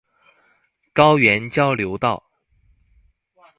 高原交流道